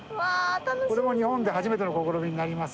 これも日本で初めての試みになります。